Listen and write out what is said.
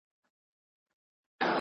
دا د یوه نوي پیل غږ معلومېږي.